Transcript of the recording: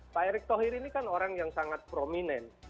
pak erick thohir ini kan orang yang sangat prominent